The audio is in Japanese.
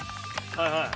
はいはい。